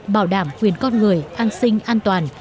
bảo đảm quyền con người an sinh an toàn